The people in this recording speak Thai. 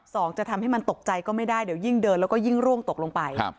จะทำให้มันตกใจก็ไม่ได้เดี๋ยวยิ่งเดินแล้วก็ยิ่งร่วงตกลงไป